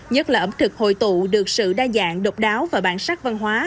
nhất là ẩm thực hội tụ được sự đa dạng độc đáo và bản sắc văn hóa